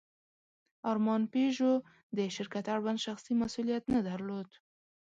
ارمان پيژو د شرکت اړوند شخصي مسوولیت نه درلود.